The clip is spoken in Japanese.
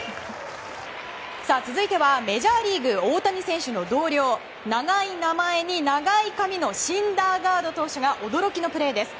続いてはメジャーリーグ大谷選手の同僚長い名前に長い髪のシンダーガード投手が驚きのプレーです。